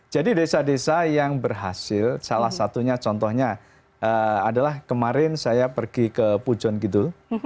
jadi desa desa yang berhasil salah satunya contohnya adalah kemarin saya pergi ke pujon gidul